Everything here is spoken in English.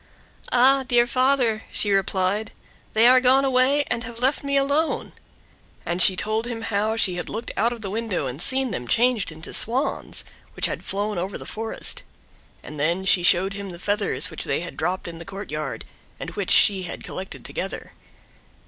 "Ah, dear father," she replied, "they are gone away and have left me alone;" and she told him how she had looked out of the window and seen them changed into Swans, which had flown over the forest; and then she showed him the feathers which they had dropped in the courtyard, and which she had collected together.